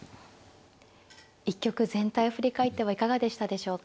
一局全体を振り返ってはいかがでしたでしょうか。